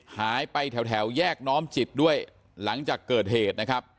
หายไปแถวแยกน้อมจิตด้วยหลังจากเกิดเหตุนะครับ